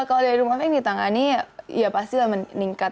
kalau dari rumah apa yang ditangani ya pastilah meningkat